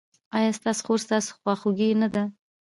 ایا ستاسو خور ستاسو خواخوږې نه ده؟